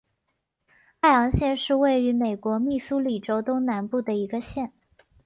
艾昂县是位于美国密苏里州东南部的一个县。